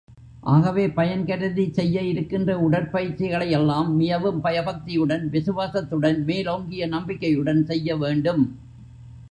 ஆகவே பயன் கருதி செய்ய இருக்கின்ற உடற்பயிற்சிகளையெல்லாம் மிகவும் பயபக்தியுடன் விசுவாசத்துடன் மேலோங்கிய நம்பிக்கையுடன் செய்ய வேண்டும்.